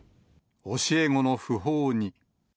教え子の訃報に。